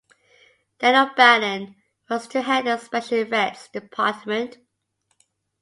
Dan O'Bannon was to head the special effects department.